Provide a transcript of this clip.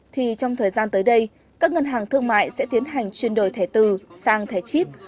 thì trong thời gian tới đây các ngân hàng thương mại sẽ tiến hành chuyển đổi thẻ từ sang thẻ chip